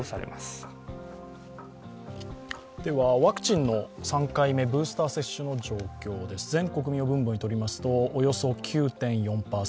ワクチンの３回目ブースター接種の状況です。